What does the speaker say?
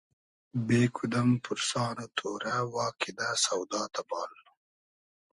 بې کودئم پورسان و تۉرۂ وا کیدۂ سۆدا تئبال